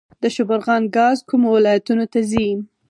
د شبرغان ګاز کومو ولایتونو ته ځي؟